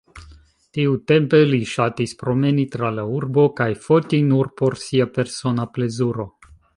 Tiutempe li ŝatis promeni tra la urbo kaj foti nur por sia persona plezuro.